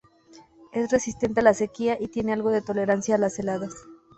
Es resistente a la sequía y tiene algo de tolerancia a las heladas.